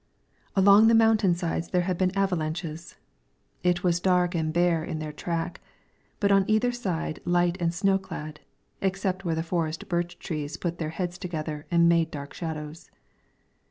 Along the mountain sides there had been avalanches; it was dark and bare in their track, but on either side light and snow clad, except where the forest birch trees put their heads together and made dark shadows.